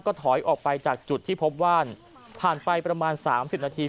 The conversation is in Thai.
ถอยออกไปจากจุดที่พบว่านผ่านไปประมาณ๓๐นาที